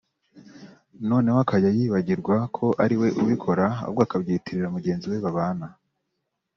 noneho akajya yibagirwa ko ariwe ubikora ahubwo akabyitirira mugenzi we babana